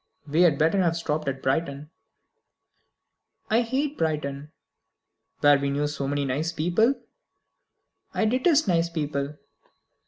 "We had better have stopped at Brighton " "I hate Brighton!" "Where we knew so many nice people " "I detest nice people!"